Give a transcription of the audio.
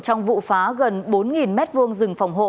trong vụ phá gần bốn m hai rừng phòng hộ